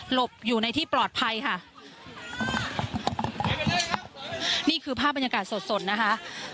บอยู่ในที่ปลอดภัยค่ะนี่คือภาพบรรยากาศสดสดนะคะ